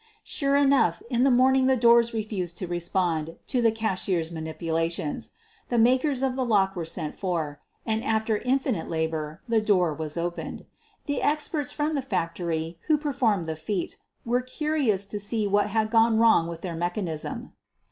Sure enough, in the morning the doors refused to respond to the cashier's manipulations. The makers of the lock were sent for, and after infinite' labor the door was opened. The experts from the factory who performed the feat were curious to see what had gone wrong with their mechanism.